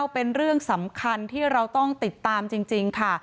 เป็นเรื่องสำคัญที่เราต้องติดตามจริงค่ะ